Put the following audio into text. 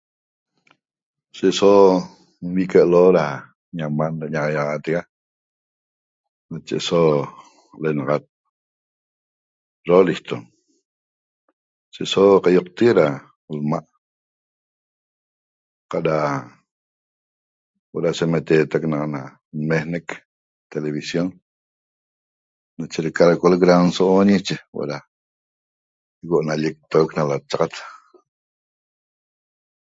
se so nvique'e lo'o da ñaman da ñaxayaxatega nache eso l'naxat roliston che so qayoctegue'e da l'ma'a qa ra huo da semetetac na nmegnec television nache huo ra nallectavec na lachaxat .